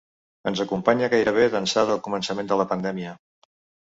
Ens acompanya gairebé d’ençà del començament de la pandèmia.